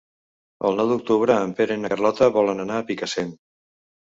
El nou d'octubre en Pere i na Carlota volen anar a Picassent.